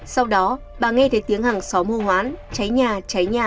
sau đó bà nghe thấy tiếng hàng xóm hô hoán cháy nhà cháy nhà